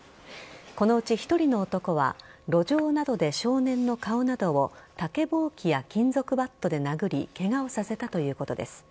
このうち１人の男は路上などで少年の顔などを竹ぼうきや金属バットで殴りケガをさせたということです。